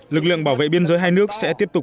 lực lượng bảo vệ biên giới hai nước sẽ tiếp tục